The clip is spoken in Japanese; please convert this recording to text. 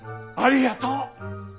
ありがとう。